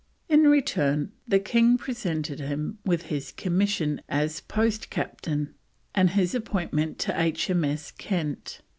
In return the King presented him with his commission as Post Captain and his appointment to H.M.S. Kent.